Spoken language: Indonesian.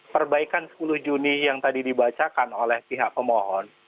perbaikan sepuluh juni yang tadi dibacakan oleh pihak pemohon